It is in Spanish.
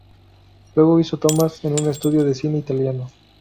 Luego hizo tomas en un estudio de cine italiano.